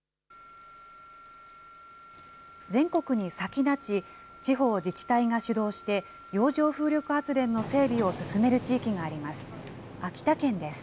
全国に先立ち、地方自治体が主導して、洋上風力発電の整備を進める地域があります。